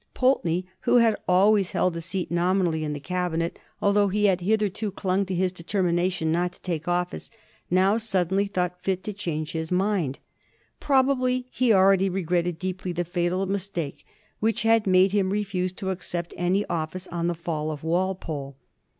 Pulteney, who had always held a scat nominally in the Cabinet, although he had hitherto clung to his determination not to take office, now sudden ly thought fit to change his mind. Probably he already regretted deeply the fatal mistake which had made him refuse to accept any office on the fall of Walpole.